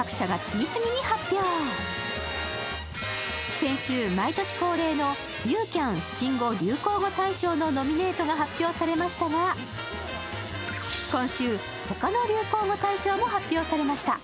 先週、毎年恒例のユーキャン新語・流行語大賞のノミネートが発表されましたが、今週、他の流行語大賞も発表されました。